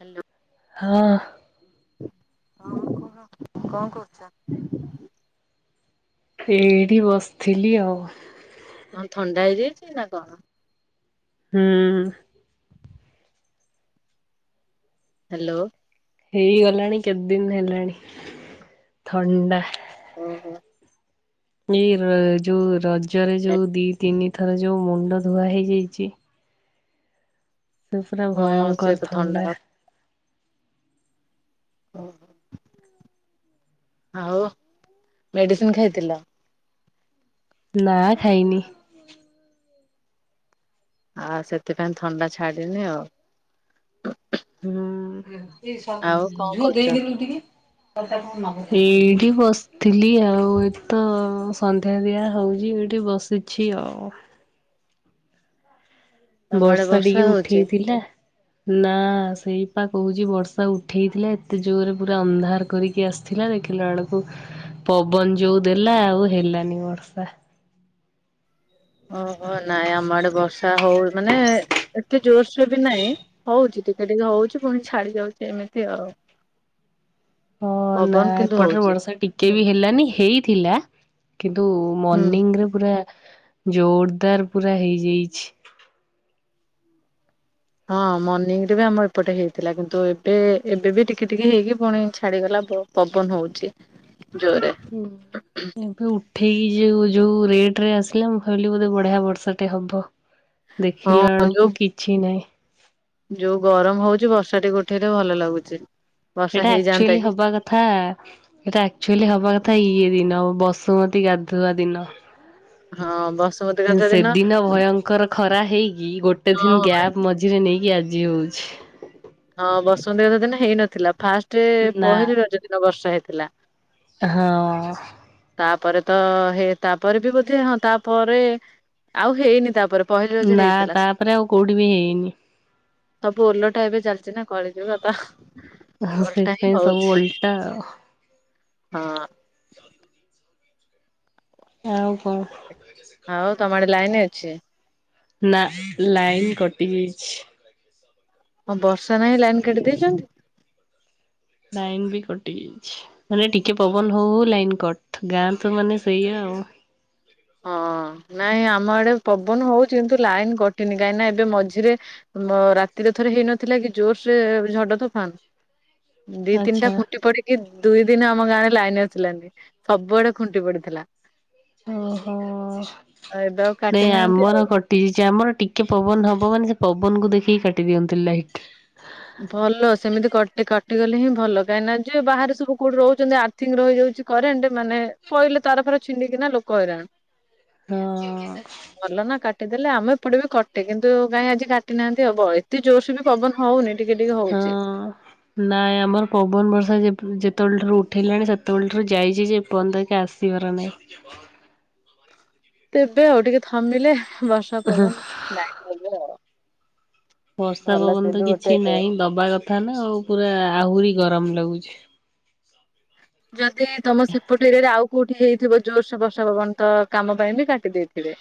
Hello. ହଁ। ଆଉ କଣ କଣ କରୁଚ? ଏଇଠି ବସିଥିଲି ଆଉ। କଣ ଥଣ୍ଡା ହେଇଯାଇଚିନା କଣ? ହୁଁ। ହାଲୋ। ହେଇଗଲାଣି କେତେ ଦିନ ହେଲାଣି ଥଣ୍ଡା। ଓହୋ। ଏଇ ର ଯୋଉ ରଜରେ ଯୋଉ ଦିତିନି ଥର ଯୋଉ ମୁଣ୍ଡ ଧୁଆ ହେଇଯାଇଚି ସେ ପୁରା ହଁ ସେ ଭୟଙ୍କର ତ ଥଣ୍ଡା। ଓହୋ ଆଉ ମେଡ଼ିସିନ୍ ଖାଇଥିଲ? ନା ଖାଇନି। ଆଉ ସେଥିପାଇଁ ଥଣ୍ଡା ଛାଡ଼ିନି ଆଉ। ହୁଁ ଏ ଆଉ କଣ ଝୁଅ କରୁଛ? ଦେଇଦେଲୁ ଟିକେ। ଏଇଠି ବସିଥିଲି ଆଉ ଏତ ସନ୍ଧ୍ୟା ଦିଆ ହଉଛି ଏଇଠି ବ ସିଛି ଆଉ। ତମ ଆଡେ ବର୍ଷା ଟିକେ ହଉଛି? ଉଠେଇଥିଲା। ନା ସେଇପା କହୁଛି ବର୍ଷା ଉଠେଇଥିଲା ଏତେ ଜୋରରେ ପୁରା ଅନ୍ଧାର କରିକି ଆସି ଥିଲା ଦେଖିଲା ବେଳକୁ ପବନ ଯୋଉ ଦେଲା ଆଉ ହେଲାନି ବର୍ଷା। ଅ ହ ନାଇଁ ଆମ ଆଡେ ବର୍ଷା ହଉ ମାନେ ଏତେ ଜୋରସୋର ବି ନାଇଁ ହଉଛି ଟିକେ ଟିକେ ଟିକେ ହଉଛି ପୁଣି ଛାଡି ଯାଉଛି ଏମିତି ଆଉ। ହଁ ନା ପବନ କିନ୍ତୁ ଏପଟରେ ହଉଛି ବର୍ଷା ଟିକେ ବି ହେଲାନି ହେଇଥିଲା କିନ୍ତୁ ହୁଁ। ମର୍ଣିିଂରେ ପୁରା ଜୋରଦାର ପୁରା ହେଇଯାଇଛି। ହଁ ମର୍ଣିିଂରେ ବି ଆମର ଏପଟେ ହେଇଥିଲା କିନ୍ତୁ ଏବେ ଏବେ ବି ଟିକେ ଟିକେ ହେଇକି ପୁଣି ଛାଡିଗଲା ବୋ ପବନ ହଉଛି ଜୋରେ। ହୁଁ, [unintelligible] ଉଠେଇକି ଯଉ ଯୋଉ ରେଟରେ ଆସିଲା ମୁଁ ଭାବିଲି ବୋଧେ ବଢିଆ ବର୍ଷାଟେ ହବ। ଦେଖିଲା ହଁ ଯୋଉ ବେଳକୁ କିଛି ନାହିଁ। ଯୋଉ ଗରମ ହଉଛି ବର୍ଷାଟିକେ ଉଠେଇଲେ ଭଲ ଲାଗୁଛି। ବର୍ଷା ଏଇଟା ହେଇଯାଆନ୍ତା ଆକ୍ଚୁଆଲି କି ହବା କଥା ଏଟା ଆକ୍ଚୁଆଲି ହବା କଥା ଇଏ ଦିନ ବସୁମତୀ ଗାଧୁଆ ଦିନ। ହଁ ବସ ସେଦିନ ଭୟଙ୍କର ଖରା ହେଇକି ଗୋଟେ ହଁ ଦିନ ହଁ ଗ୍ୟାପ ମଜ ମଝିରେ ନେଇକି ଆଜି ହଉଛି। ହଁ ବସୁମତି ଗାଧୁଆ ଦିନ ହେଇନଥିଲା, ଫାଷ୍ଟ ନା ପହିଲି ରଜ ଦିନ ବର୍ଷା ହେଇଥିଲା। ହଁ। ତାପରେ ତ ହେ ତାପରେ ବି ବୋଧେ ହଁ ତାପରେ ଆଉ ହେଇନି ତାପରେ ପହିଲି ରଜରେ ନା ହେଇଥିଲା। ତାପରେ ଆଉ କୋଉଠି ବି ହେଇନି। ସବୁ ଓଲଟା ଏବେ ଚାଲିଛି ନା କଳିଯୁଗ ତ ହ ଓଲଟା ହିଁ ସେଥିପାଇଁ ସବୁ ହଉଛି ଓଲଟା ହଁ। [unintelligible] ଆଉ କଣ? ଆଉ ତମ ଆଡ଼େ ଲାଇନ ଅଛି? ନା ଲାଇନ୍ କଟି ଯାଇଛି। କଣ ବର୍ଷା ନାହିଁ ଲାଇନ୍ କାଟି ଦେଇଛନ୍ତି। ଲାଇନ୍ ବି କଟି ଯାଇଛି। ମାନେ ଟିକେ ପବନ ହଉ ହଉ ଲାଇନ କଟ ଗାଁ ତ ମାନେ ସେଇଆ ଆଉ। ହଁ ନାଇଁ ଆମ ଆଡେ ପବନ ହଉଛି କିନ୍ତୁ ଲାଇନ କଟିନି କାହିଁକି ଏବେ ମଝିରେ ରାତିରେ ଥରେ ହେଇନଥିଲା କି ଜୋରସେ ଝଡ ତୋଫାନ ଦି ତିନିଟା ଆଚ୍ଛା ଖୁଣ୍ଟି ପଡିି କି ଦୁଇ ଦିନ ଆମ ଗାଁ ରେ ଲାଇନ ଆସିଲାନି ସବୁଆଡେ ଖୁଣ୍ଟି ପଡିଥିଲା। ଓହୋ ଆଉ ଏବେ ଆଉ କାଟି ନାଇଁ ନାହାନ୍ତି ଆମର ଆଉ। କଟ କଟିଯାଇଛି ଆମର ଟିକେ ପବନ ହବ ମାନେ ସେ ପବନକୁ ଦେଖିକି କାଟି ଦିଅନ୍ତି ଲାଇଟ୍। ଭଲ ସେମିତି କ କଟିଗଲେ ହିଁ ଭଲ କାହିଁକି ନା ଯିଏ ବାହାରେ ସବୁ କୋଉଠି ରହୁଛନ୍ତି ଆର୍ଥିଂ ରହିଯାଉଛି କରେଣ୍ଟ ମାନେ ପଇଲେ ତାର ଫାର ଛିଣ୍ଡିକିନା ଲୋକ ହଇରାଣ। ହଁ ଭଲନା କାଟ କାଟିଦେଲେ ଆମ ଏପଟେ ବି କଟେ କିନ୍ତୁ କାଁଇ ଆଜି କାଟିନାହାନ୍ତି ହବ ଏତେ ଜୋରସ ବି ପବନ ହଉନି। ଟିକେ ଟିକେ ହଁ। ହଉଛି। ନାଇଁ ଆମର ପବନ ବର୍ଷା ଯେତେବେଳେ ଠାରୁ ଉଠେଇଲାଣି ସେତେବେଳେ ଠାରୁ ଯାଇଛି ଯେ ଏପର୍ଯ୍ଯନ୍ତ ଘରିକା ଆସିବାର ନାହିଁ। [inaudible] ଦେବେ ଆଉ ଟିକେ ଥମିଲେ ବର୍ଷା ପବନ ଲାଗିବ ଆଉ। ବର୍ଷା ଭଲ ପବନ ସେ ତ ବି ଗୋଟେ କିଛି ନାହିଁ ଦବା କଥା ନା ଆଉ ପୁରା ଆହୁରି ଗରମ ଲାଗୁଛି। ଯଦି ତମ ସେପଟ ଏରିଆରେ ଆଉ କୋଉଠି ହେଇଥିବ ଜୋରସ ବର୍ସା ପବନ ତ କାମ ପାଇଁ ବି କାଟି ଦେଇଥିବେ।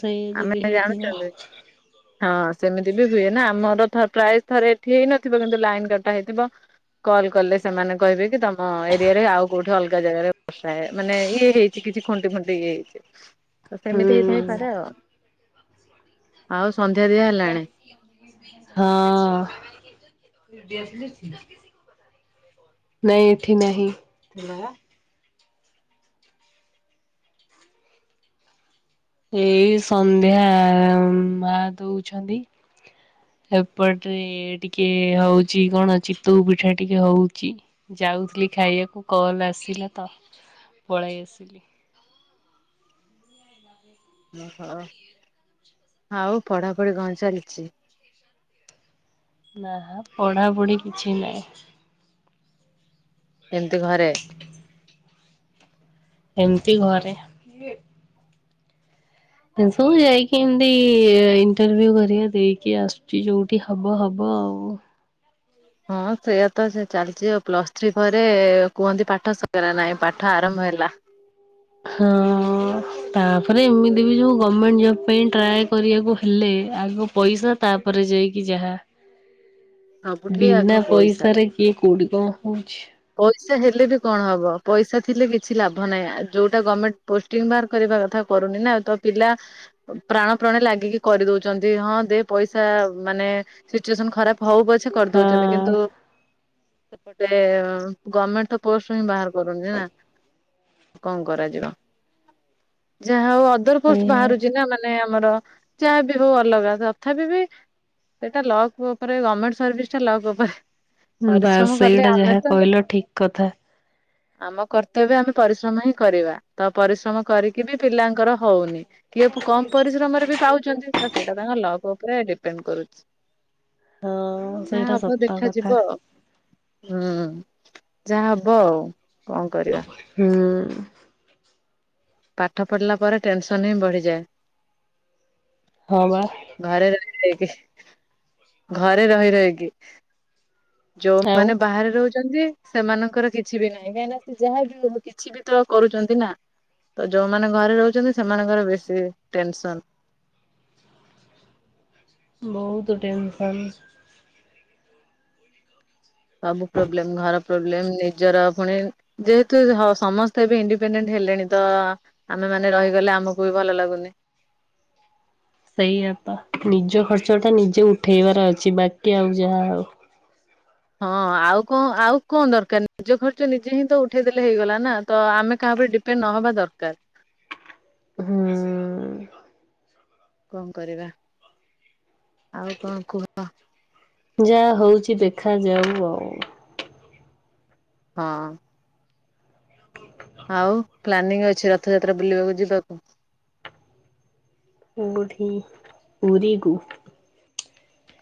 ସୋଇଆ ଆମେ ଯଦି ହେଇଥିବ। ଜାଣୁଛନ୍ତି। ହଁ ସେମିତି ବି ହୁଏ ନା ଆମର ଥରେ ପ୍ରାୟ ଥରେ ଏଠି ହେଇ ନଥିବ କିନ୍ତୁ ଲାଇନ କଟା ହେଇଥିବ। କଲ୍ କଲେ ସେମାନେ କହିବେ କି ତମେ ହଁ ଏରିଆରେ ଆଉ କୋଉଠି ଅଲଗା ଜାଗାରେ ହ ମାନେ ଇଏ ହେଇଛି କିଛି ଖୁଣ୍ଟି ଫୁଣ୍ଟି ଇଏ ହେଇଛି। ତ ସେମିତି ହୁଁ ହେଇଥାଇ ପାରେ ଆଉ ଆଉ ସନ୍ଧ୍ୟା ଦିଆ ହେଲାଣି? ହଁ ନାଇଁ ଏଠି ନାହିଁ। ଏଇ ସନ୍ଧ୍ୟା ମା ଦଉଛନ୍ତି। ଏପଟରେ ଟିକେ ହଉଛି କଣ ଚିତଉ ପିଠା ଟିକେ ହଉଛି। ଯାଉଥିଲି ଖାଇବାକୁ କଲ ଆସିଲା ତ ପଳାଇ ଆସିଲି। ଓହୋ ଆଉ ପଢାପଢି କଣ ଚାଲିଛି? ନା ପଢାପଢି କିଛି ନାହିଁ। ଏମିତି ଘରେ। [inaudible] ଏମିତି ଘରେ। ଏମିତି ଯାଇକି ଏମତି ଇଣ୍ଟରଭିଉ ଘରିକା ଦେଇକି ଆସୁଛି ଯୋଉଠି ହବ ହବ ଆଉ। ହଁ ସେଇଆ ତ ସେ ଚାଲିଛି ଆଉ ପ୍ଲସ୍ ଥ୍ରୀ ପରେ କୁହନ୍ତି ପାଠ ସରିଗଲା ନାହିଁ ପାଠ ଆରମ୍ଭ ହେଲା। ହଁ ହଁ ତାପରେ ଏମିତି ବି ଯୋଉ ଗଭର୍ଣମେଣ୍ଟ ଜବ ପାଇଁ ଟ୍ରାଏ କରିବାକୁ ହେଲେ ଆଗ ପଇସା ତାପରେ ଯାଇକି ଯାହା। ସବୁଠି ବିନା ଆଗ ପଇସା। ପଇସାରେ କିଏ କୋଉଠି କଣ ହଉଛି। ପଇସା ହେଲେ ବି କଣ ହବ ପଇସା ଥିଲେ କିଛି ଲାଭ ନାହିଁ ଆ ଯୋଉଟା ଗମେଣ୍ଟ ପୋଷ୍ଟ ଟିମ ବାହାର କରିବା କଥା କରୁନି ନା ତ ପିଲା ପ୍ରାଣ ପ୍ରଣେ ଲାଗିକି କରିଦଉଛନ୍ତି ହଁ ଦେ ପଇସା ମାନେ ସିଚୁଏସନ ଖରାପ ହଉ ପଛେ କରିଦଉଛନ୍ତି ହଁ କିନ୍ତୁ ସେପଟେ ଗଭର୍ଣମେଣ୍ଟ ତ ପୋଷ୍ଟ ହି ବାହାର କରୁନି ନା। କଣ କରାଯିବ ଯାହା ହଉ ଅଦର ପୋଷ୍ଟ ସେଇଆ। ବାହାରୁଛି ନା ମାନେ ମାନେ ଆମର ଯାହାବି ହଉ ଅଲଗା ତଥାପି ବି ସେଇଟା ଲକ ତାପରେ ଗମେଣ୍ଟ ସର୍ଭିସଟା ଲକ ଉପରେ। ବାସ ପରିଶ୍ରମ କଲେ ସେଇଟା ଆମେ ଯାହା ତ କହିଲ ଠିକ୍ କଥା। ଆମ କର୍ତ୍ତବ୍ୟ ଆମେ ପରିଶ୍ରମ ହିଁ କରିବା ତ ପରିଶ୍ରମ କରିକି ବି ପିଲାଙ୍କର ହଉନି। କିଏ କମ୍ ପରିଶ୍ରମରେ ବି ପାଉଛନ୍ତି ସେଇଟା ତାଙ୍କ ଲକ୍ ଉପରେ ଡିପେଣ୍ଡ କରୁଛି। ହଁ। ଯାହା ସେଇଟା ହବ ସତ କଥା। ଦେଖାଯିବ ଆଉ ହୁଁ ଯାହା ହବ ଆଉ କଣ କରିବା ହୁଁ ପାଠ ପଢ଼ିଲା ପରେ ଟେନସନ ହିଁ ବଢ଼ିଯାଏ। ହଁ ବା ଘରେ ରହି ରହିକି ଘରେ ରହି ରହିକି ଯୋଉ ଆଉ ମାନେ ବାହାରେ ରହୁ ଛନ୍ତି ସେମାନଙ୍କର କିଛି ବି ନାହିଁ କାହିଁ ନା ସେ ଯାହା ବି ହଉ କିଛି ବି ତ କରୁଛନ୍ତି ନା। ତ ଯୋଉମାନେ ଘରେ ରହୁଛନ୍ତି ସେମାନଙ୍କର ବେଶୀ ଟେନସନ୍। ବହୁତ ଟେନ୍ସନ୍। ସବୁ ପ୍ରୋବ୍ଲେମ୍ ଘର ପ୍ରୋବ୍ଲେମ୍ ନିଜର ପୁଣି ଯେହେତୁ ହ ସମସ୍ତେ ଏବେ ଇଣ୍ଡିପେଣ୍ଡେଣ୍ଟ ହେଲେଣି ତ ଆମେ ମାନେ ରହିଗଲେ ଆମକୁ ବି ଭଲ ଲାଗୁନି। ସେଇଆ ତ ନିଜ ଖର୍ଚ୍ଚ ଟା ନିଜେ ଉଠେଇବାର ଅଛି ବାକି ଆଉ ଯାହା ହଉ। ହଁ ଆଉ କଣ ଆଉ କଣ ଦରକାର ନିଜ ଖର୍ଚ୍ଚ ନିଜେ ହିଁ ତ ଉଠେଇଦଲେ ହେଇଗଲା ନା ତ ଆମେ କାହା ଉପରେ ଡି ବେ ନ ହେବା ଦରକାର। ହଁ। କଣ କରିବା। ଆଉ କଣ କୁହ? ଯାହା ହଉଛି ଦେଖାଯାଉ ଆଉ। ହଁ। ଆଉ ପ୍ଲାନିଂ ଅଛି ରଥଯାତ୍ରା ବୁଲିବାକୁ ଯିବାକୁ? ଉଗୁଠି ପୁରିକୁ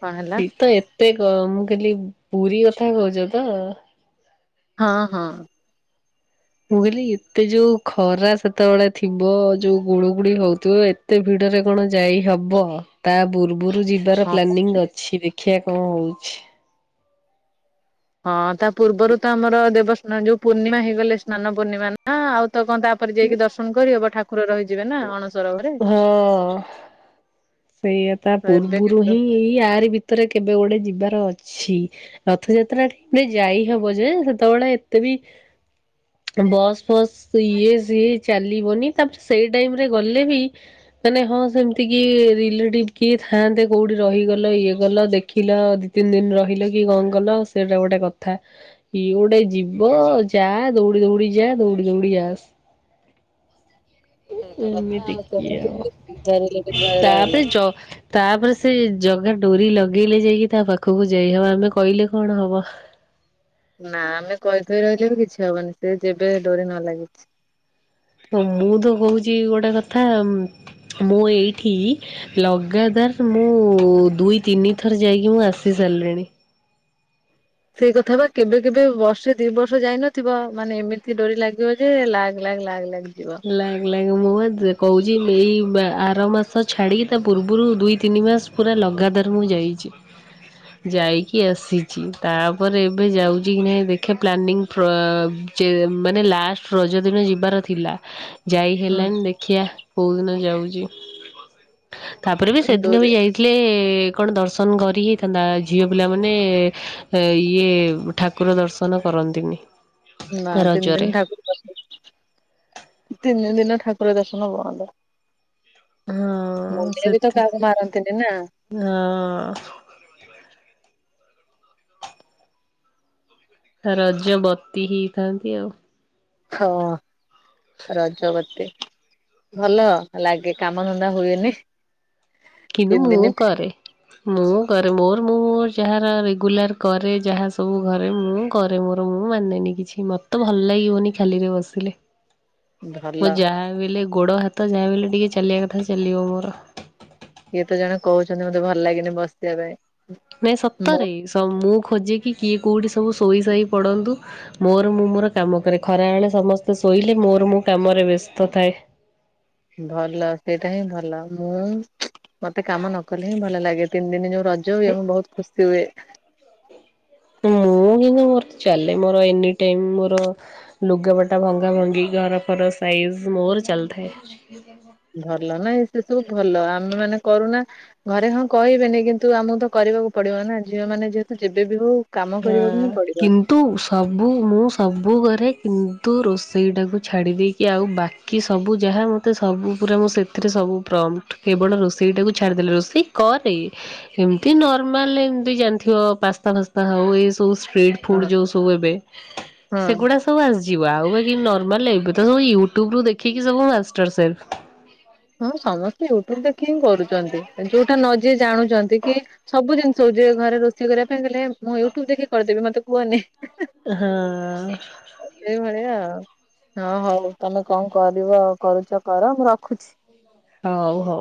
କଣ ହେଲା ତ ଏ ତେ ଗ ମୁଁ କହିଲି ପୁରୀ କଥା କହୁଛ ତ। ହଁ ହଁ। ମୁଁ କହିଲି ଏତେ ଯୋଉ ଖରା ସେତେବେଳେ ଥିବ ଯୋଉ ଗୁଡୁ ଗୁଡି ହୋଉଥିବ ଏ ଏତେ ଭିଡରେ କଣ ଯାଇ ହବ। ତା ପୂର୍ବରୁ ଯିବାର ହଁ ପ୍ଲାନିଂ ଅଛି ଦେଖିବା କଣ ହଉଛି। ହଁ ତା ପୂର୍ବରୁ ତ ଆମର ଦେବ ସ୍ନା ଯୋଉ ପୂର୍ଣ୍ଣିମା ହେଇଗଲେ ସ୍ନାନ ପୂର୍ଣିମା ନା ହଁ ଆଉ ତ କଣ ତାପରେ ଯାଇକି ଦର୍ଶନ କରିହବ ଠାକୁର ରହିଯିବେ ନା ଅଣସରଘରେ। ହଁ। ସେଇଆ ତା ତ ଏବେ ପୂର୍ବରୁ ହିଁ ଏଇ ଆରିି ଭିତରେ କେବେ ଗୋଟେ ଯିବାର ଅଛି। ରଥଯାତ୍ରା ଠିକରେ ଯାଇ ହବ ଯେ ସେତେବେଳେ ଏତେ ବି ବସ୍ ଫସ୍ ଇଏ ସିଏ ଚାଲିବନି ତାପ ସେଇ ଟାଇମରେ ଗଲେ ବି ମାନେ ହଁ ସେମିତି କି ରିଲେଟିଭ କିଏ ଥାଆନ୍ତେ କୋଉଠି ରହିଗଲ ଇଏ ଗଲ ଦେ ଦେଖିଲ ଦି ତିନି ଦିନ ରହିଲ କି କଣ କଲ ସେଇଟା ଗୋଟେ କଥା। କିଏ ଗୋଟେ ଯିବ ଯା ଦୌଡ଼ି ଦୌଡି ଯା ଦୌଡି ଦୌଡି ଆସ। ସେଇ ତ କଥା ଏମିତି ଆଉ କି କେମିତି ଆଉ ରିଲେଟିଭ ଘରେ ରହିଲେ। ତାପରେ ଯ ତାପରେ ସେ ଜଗା ଡୋରି ଲଗେଇଲେ ଯାଇକି ତା ପାଖକୁ ଯାଇହବ ଆମେ କହିଲେ କଣ ହବ। ନା ଆମେ କହି କହି ରହିଲେ ବି କିଛି ହବନି ସେ ଯେବେ ଡୋରି ନ ଲାଗିଛି। ତ ମୁଁ ତ କହୁଛି ଗୋଟେ କଥା ମୁଁ ଏଇଠି ଲଗାତାର ମୁଁ ଦୁଇ ତିନି ଥର ଯାଇକି ମୁଁ ଆସି ସାରିଲିଣି। ସେଇ କଥା ବା କେବେ କେବେ ବର୍ଷେ ଦି ବର୍ଷ ଯାଇନଥିବ ମାନେ ଏମିତି ଡୋରି ଲାଗିବ ଯେ ଲାଗ ଲାଗ ଲାଗ ଲାଗ ଜିବ। ଲାଗ ଲାଗ ମୁଁ ପା କହୁଛି ଏଇ ଆର ମାସ ଛାଡ଼ିକି ତା ପୂର୍ବରୁ ଦୁଇ ତିନି ମାସ ପୁରା ଲଗାତାର ମୁଁ ଯାଇଛି। ଯାଇକି ଆସିଛି ତାପରେ ଏବେ ଯାଉଛି କି ନାଇଁ ଦେଖେ ପ୍ଲାନିଂ ପ୍ର ଯେ ମାନେ ଲାଷ୍ଟ ରଜଦିନ ଯିବାର ଥିଲା। ଯାଇ ହୁଁ ହେଲାନି ଦେଖିବା କୋଉ ଦିନ ଯାଉଛି ତାପରେ ବି ସେଦିନ ଡୋରି ବି ଯାଇ ଥିଲେ କଣ ଦର୍ଶନ କରି ହେଇଥାନ୍ତା ଝିଅ ପିଲାମାନେ ଇଏ ଠାକୁର ଦର୍ଶନ କରନ୍ତିନି। ନା ତିନି ଦିନ ରଜରେ। ଠାକୁର ଦ ତିନି ଦିନ ଠାକୁର ଦର୍ଶନ ବନ୍ଦ। ହଁ ମୁଣ୍ଡିଆ ବି ତ ସେଥିପାଇଁ କାହାକୁ ମାରନ୍ତିନି ନା। ହଁ। ରଜବତି ହେଇଥାନ୍ତି ଆଉ। ହଁ ରଜବତି। ଭଲ ଲାଗେ କାମଧନ୍ଦା ହୁଏନି। କିନ୍ତୁ ତିନି ମୁଁ ଦିନି କରେ। ମୁଁ କରେ ମୋର ମୁଁ ଯାହାର ରେଗୁଲାର କରେ ଯାହା ସବୁ ଘରେ ମୁଁ କରେ ମୋର ମୁଁ ମାନେନି କିଛି ମୋତେ ତ ଭଲ ଲାଗିବନି ଖାଲିରେ ବସିଲେ। ମୋ ଭଲ ଯାହାବିହେଲେ ଗୋଡ ହାତ ଯାହାବିହେଲେ ଟିକେ ଚାଲିବା କଥା ଚାଲିବ ମୋର। କିଏ ତ ଜଣେ କହୁଛନ୍ତି ମତେ ଭଲ ଲାଗେନି ବସିବା ପାଇଁ। ନାଇଁ ମୁଁ ସତରେ ସ ମୁଁ ଖୋଜେ କି କିଏ କୋଉଠି ସବୁ ସାଇ ପଡନ୍ତୁ ମୋର ମୁଁ ମୋର କାମ କରେ ଖରାବଳେ ସମସ୍ତେ ଶୋଇଲେ ମୋର ମୁଁ କାମରେ ବ୍ୟସ୍ତ ଥାଏ। ଭଲ ସେଇଟା ହିଁ ଭଲ ମୁଁ ମତେ କାମ ନ କଲେ ହିଁ ଭଲ ଲାଗେ ତିନି ଦିନ ଯୋଉ ରଜ ହୁଏ ମୁ ବହୁତ ଖୁସି ହୁଏ। ମୁଁ କିନ୍ତୁ ମୋର ଚାଲେ ମୋର ଏନି ଟାଇମ ମୋର ଲୁଗାପଟା ଭଙ୍ଗା ଭଙ୍ଗି ଘର ଫର ସାଇଜ୍ ମୋର ଚାଲିଥାଏ। ଭଲ ନାଇଁ ସେ ସବୁ ଭଲ ଆମେ ମାନେ କରୁନା ଘରେ ହଁ କହିବେନି କିନ୍ତୁ ଆମକୁ ତ କରିବାକୁ ପଡିବ ନା ଝିଅମାନେ ଯେହେତୁ ଯେବେ ବିି ହଉ କାମ କରିବାକୁ ହିଁ ପଡିବ। ତୁ ସବୁ ମୁଁ ସବୁ କରେ କିନ୍ତୁ ରୋଷେଇଟାକୁ ଛାଡ଼ି ଦେଇେକି ଆଉ ବାକ କି ସବୁ ଯାହା ମୋତେ ସବୁ ପୁରା ମୋ ସେଥିରେ ସବୁ ପ୍ରମ୍ପ୍ଟ କେବଳ ରୋଷେଇଟାକୁ ଛାଡ଼ିଦେଲେ ରୋଷେଇ କରେ ଏମତି ନର୍ମାଲ ଏମତି ଜାଣିଥିବ ପାସ୍ତା ଫାସ୍ ସ୍ତା ହଉ ଏ ସବୁ ଷ୍ଟ୍ରିଟ୍ ହଁ ଫୁଡ ଯୋଉ ସବୁ ଏବେ ହଁ। ସେଗୁଡା ତ ଆସିଯିବ ଆଉ ବାକି ନର୍ମାଲ ଏବେ ତ ସବୁ ୟୁଟ୍ୟୁବ ରୁ ଦେଖିକି ସବୁ ମାଷ୍ଟର୍ ସେଫ୍। ହଁ ସମସ୍ତେ ୟୁଟ୍ୟୁବ ଦେଖି ହିଁ କରୁଛନ୍ତି ଯୋଉଟା ନ ଯିଏ ଜାଣୁଛନ୍ତି କି ସବୁ ଜିନିଷ ହଉଛି ଯେ ଘରେ ରୋଷେଇ କରିବା ପାଇଁ ଦେଲେ ମୁଁ ୟୁଟ୍ୟୁବ ଦେଖି କରିଦେବି ମତେ କୁହନି। ହଁ। ଏଇଭଳିଆ ଆଉ ଅ ହଉ ତମେ କଣ କରିବ କରୁଛ କର ମୁଁ ରଖୁଛି। ହଉ ହଉ।